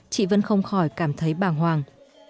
chị vẫn không khỏi cảm thấy bàng hoàng